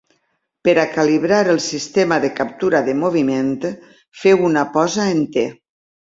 Per a calibrar el sistema de captura de moviment, feu una posa en T.